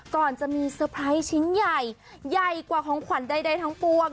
ก่อนจะมีเซอร์ไพรส์ชิ้นใหญ่ใหญ่กว่าของขวัญใดทั้งปวง